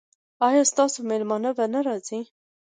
ایا ستاسو میلمه به را نه ځي؟